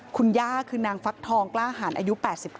คุณย่าคือนางฟักทองกล้าหารอายุ๘๙